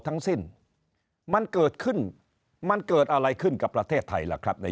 ทั้งสิ้นมันเกิดขึ้นมันเกิดอะไรขึ้นกับประเทศไทยล่ะครับใน